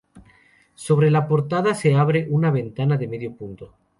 Sobre la portada se abre una ventana de medio punto.